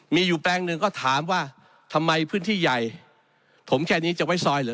มีอยู่แปลงหนึ่งก็ถามว่าทำไมพื้นที่ใหญ่ถมแค่นี้จะไว้ซอยเหรอ